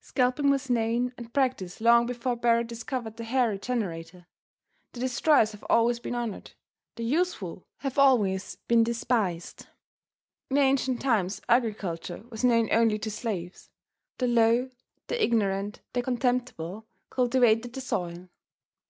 Scalping was known and practiced long before Barret discovered the Hair Regenerator. The destroyers have always been honored. The useful have always been despised. In ancient times agriculture was known only to slaves. The low, the ignorant, the contemptible, cultivated the soil.